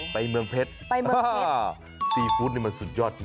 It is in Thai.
ไปเมืองเผ็ดฮ่าซีฟู้ดนี่มันสุดยอดอยู่นะ